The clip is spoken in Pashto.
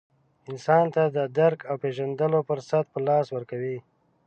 انسان ته د درک او پېژندلو فرصت په لاس ورکوي.